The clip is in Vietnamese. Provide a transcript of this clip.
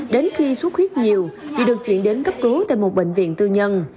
đến khi suốt huyết nhiều chị được chuyển đến cấp cứu tại một bệnh viện tư nhân